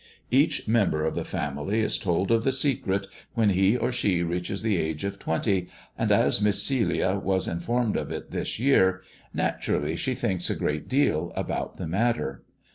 Each member of the family is told of the secret when he or she reaches the age of twenty, and as Miss Celia was informed of it this year, naturally she thinks a great deal about the matter."